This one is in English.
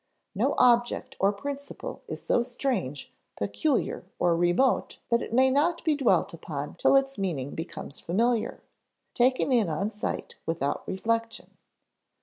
No object or principle is so strange, peculiar, or remote that it may not be dwelt upon till its meaning becomes familiar taken in on sight without reflection.